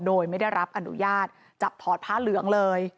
โดยไม่ได้รับอนุญาตจับถอดผ้าเหลืองเลย